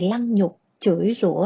lăng nhục chửi rũa